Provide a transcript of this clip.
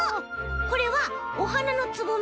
これはおはなのつぼみ？